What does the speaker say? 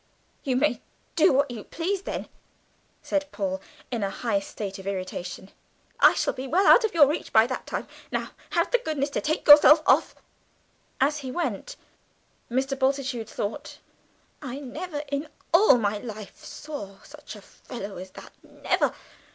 "You may do what you please then," said Paul, in a high state of irritation, "I shall be well out of your reach by that time. Now have the goodness to take yourself off." As he went, Mr. Bultitude thought, "I never in all my life saw such a fellow as that, never!